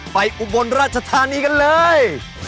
อุบลราชธานีกันเลย